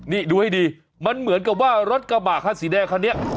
นี่ดูให้ดีมันเหมือนกับว่ารถกระบะคันสีแดงคันนี้